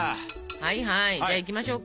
はいはいじゃあいきましょうか。